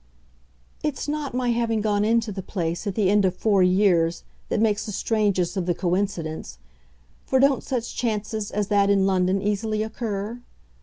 "It's not my having gone into the place, at the end of four years, that makes the strangeness of the coincidence; for don't such chances as that, in London, easily occur?